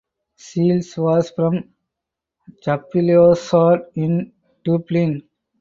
Shiels was from Chapelizod in Dublin.